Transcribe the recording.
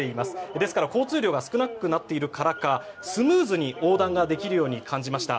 ですから、交通量が少なくなっているからかスムーズに横断ができるように感じました。